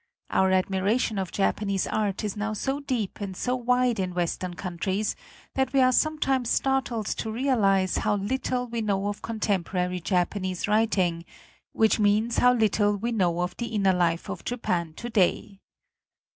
Our admiration of Japanese art is now so deep and so wide in Western countries that we are sometimes startled to realize how little we know of contemporary Japanese writing which means, how little we know of the inner life of Japan today.